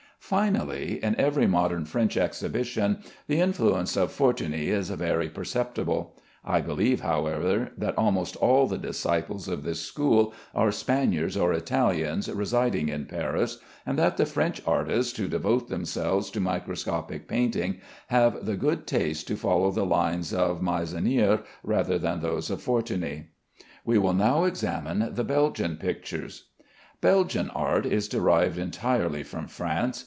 Finally, in every modern French exhibition the influence of Fortuny is very perceptible; I believe, however, that almost all the disciples of this school are Spaniards or Italians residing in Paris, and that the French artists who devote themselves to microscopic painting have the good taste to follow the lines of Meissonier rather than those of Fortuny. We will now examine the Belgian pictures. Belgian art is derived entirely from France.